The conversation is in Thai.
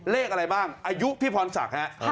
เลขอะไรบ้างอายุพี่พรศักดิ์ฮะ